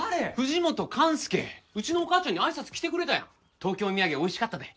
東京土産美味しかったで。